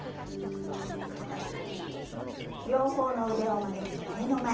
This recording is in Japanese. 両方の腕を曲げて胸の前。